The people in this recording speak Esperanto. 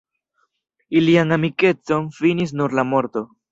Ilian amikecon finis nur la morto.